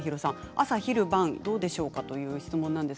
朝昼晩どうでしょうかという質問です。